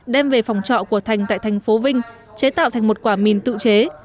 đem về phòng trọ của thành tại thành phố vinh chế tạo thành một quả mìn tự chế